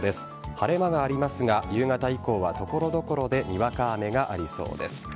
晴れ間がありますが夕方以降はところどころでにわか雨がありそうです。